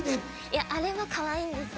いやあれはかわいいんですよ。